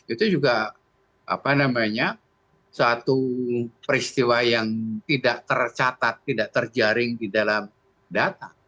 itu juga apa namanya satu peristiwa yang tidak tercatat tidak terjaring di dalam data